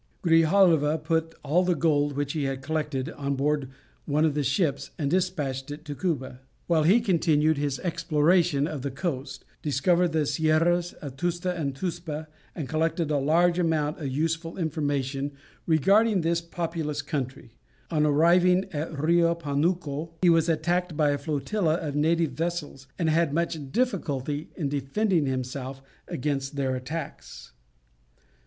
Grijalva put all the gold which he had collected on board one of the ships and despatched it to Cuba, while he continued his exploration of the coast, discovered the Sierras of Tusta and Tuspa, and collected a large amount of useful information regarding this populous country; on arriving at the Rio Panuco, he was attacked by a flotilla of native vessels, and had much difficulty in defending himself against their attacks.